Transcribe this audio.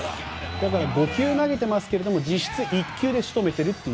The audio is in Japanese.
今回５球投げていますけど実質１球で仕留めているという。